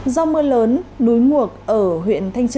do mưa lớn núi nguộc ở huyện thanh trương